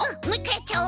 やっちゃおう。